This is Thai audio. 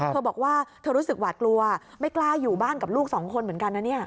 เธอบอกว่าเธอรู้สึกหวาดกลัวไม่กล้าอยู่บ้านกับลูกสองคนเหมือนกันนะเนี่ย